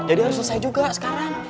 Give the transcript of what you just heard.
jadi harus selesai juga sekarang